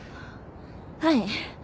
はい。